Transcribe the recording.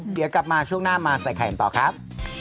เดี๋ยวกลับมาช่วงหน้ามาใส่ไข่กันต่อครับ